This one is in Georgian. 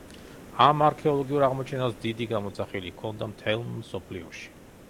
ამ არქეოლოგიურ აღმოჩენას დიდი გამოძახილი ჰქონდა მთელ მსოფლიოში.